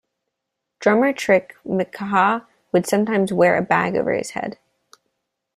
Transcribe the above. Drummer Trick McKaha would sometimes wear a bag over his head.